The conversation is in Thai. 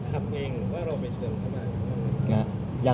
หมอบรรยาหมอบรรยา